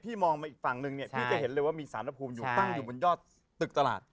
มองมาอีกฝั่งนึงเนี่ยพี่จะเห็นเลยว่ามีสารภูมิอยู่ตั้งอยู่บนยอดตึกตลาด